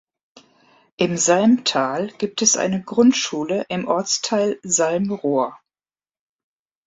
In Salmtal gibt es eine Grundschule im Ortsteil Salmrohr.